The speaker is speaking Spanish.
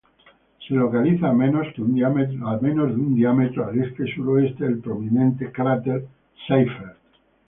Se localiza a menos que un diámetro al este-sureste del prominente cráter Seyfert.